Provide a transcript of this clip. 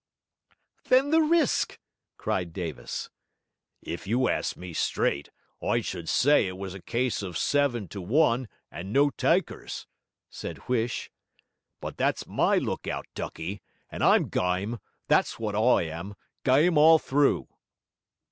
'Then the risk!' cried Davis. 'If you ast me straight, I should say it was a case of seven to one and no takers,' said Huish. 'But that's my look out, ducky, and I'm gyme, that's wot I am: gyme all through.'